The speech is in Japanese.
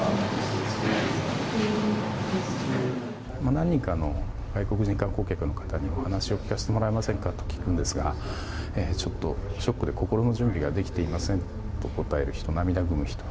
何人かの外国人観光客の方にお話を聞かせてもらえませんかと聞くんですがちょっとショックで心の準備ができていませんと答える人涙ぐむ人。